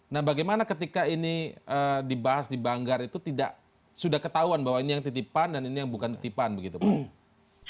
nah bagaimana ketika ini dibahas di banggar itu tidak sudah ketahuan bahwa ini yang titipan dan ini yang bukan titipan begitu pak